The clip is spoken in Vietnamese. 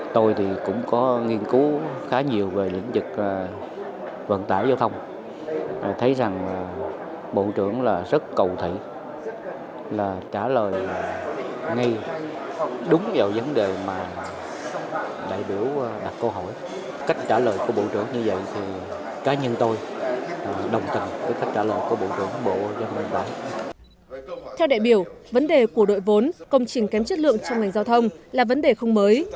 theo đại biểu vấn đề của đội vốn công trình kém chất lượng trong ngành giao thông là vấn đề không mới